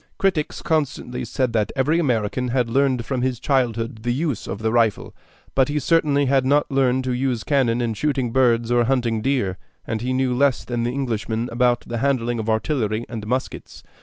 Critics constantly said that every American had learned from his childhood the use of the rifle; but he certainly had not learned to use cannon in shooting birds or hunting deer, and he knew less than the Englishman about the handling of artillery and muskets.